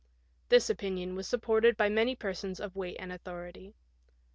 This opinion was supported by many persons of weight and authority.